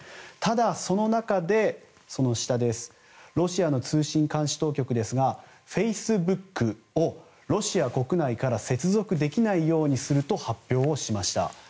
ただ、その中でロシアの通信監視当局ですがフェイスブックをロシア国内から接続できないようにすると発表をしました。